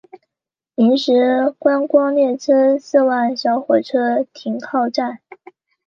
临时观光列车四万小火车停靠站。